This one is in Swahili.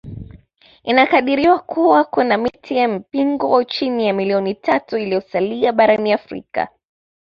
Inakadiriwa kuwa kuna miti ya mpingo chini ya milioni tatu iliyosalia barani Afrika